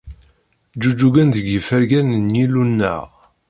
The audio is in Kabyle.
Ǧǧuǧǧugen deg yifergan n Yillu-nneɣ.